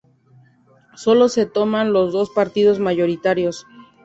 Solo se toman los dos partidos mayoritarios.